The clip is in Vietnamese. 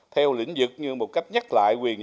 theo lĩnh vực như một cách nhắc lại quyền